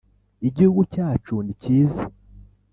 igihugu cyacu ni cyiza.